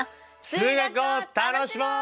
数学を楽しもう！